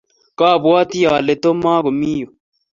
kaibwatii ale Tom mokomii yu.